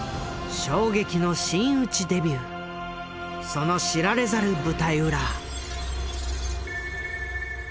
その知られざる舞台裏。